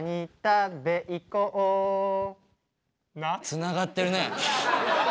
つながってるね！